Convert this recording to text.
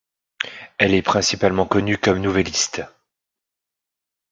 Elle est principalement connue comme nouvelliste.